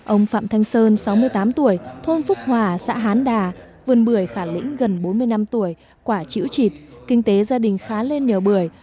ông phạm thanh sơn sáu mươi tám tuổi thôn phúc hòa xã hán đà vườn bưởi khả lĩnh gần bốn mươi năm tuổi quả chữ trịt kinh tế gia đình khá lên nhờ bưởi